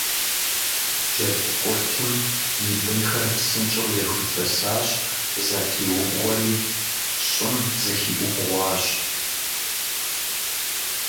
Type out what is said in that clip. Джэдкъуртым и бынхэр псынщӀэу зэхуишэсащ, зэтриубгъуэри щӀым зэхиӀубгъуащ.